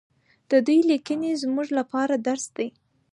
د دوی لیکنې زموږ لپاره درس دی.